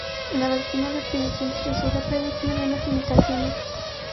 La doctrina de prohibición de censura previa tiene algunas limitaciones.